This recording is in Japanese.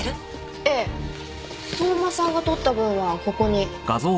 ええ相馬さんが撮った分はここに。